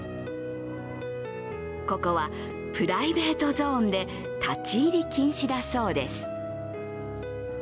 ここはプライベートゾーンで立ち入り禁止だそうです。